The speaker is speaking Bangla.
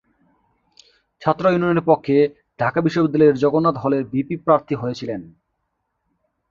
ছাত্র ইউনিয়নের পক্ষে ঢাকা বিশ্ববিদ্যালয়ের জগন্নাথ হলের ভিপি প্রার্থী হয়েছিলেন।